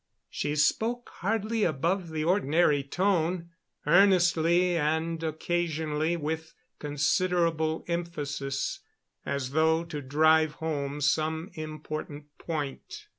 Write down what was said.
She spoke hardly above the ordinary tone, earnestly, and occasionally with considerable emphasis, as though to drive home some important point.